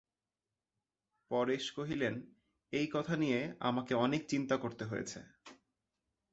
পরেশ কহিলেন, এই কথা নিয়ে আমাকে অনেক চিন্তা করতে হয়েছে।